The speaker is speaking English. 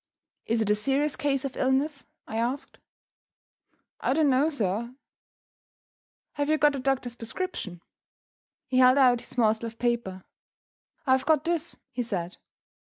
"Is it a serious case of illness?" I asked. "I don't know, sir." "Have you got a doctor's prescription?" He held out his morsel of paper. "I have got this," he said.